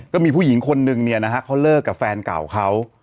ก็มีผู้หญิงคนนึงเขาเลิกกับแฟนเก่าเขา